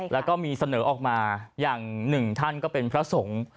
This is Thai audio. แล้วก็มีเสนอออกมาอย่างหนึ่งท่านก็เป็นพระสงฆ์